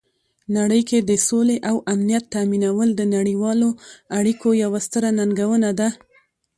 نړۍ کې د سولې او امنیت تامینول د نړیوالو اړیکو یوه ستره ننګونه ده.